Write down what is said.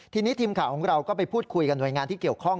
ทีนี้ทีมข่าวของเราก็ไปพูดคุยกับหน่วยงานที่เกี่ยวข้อง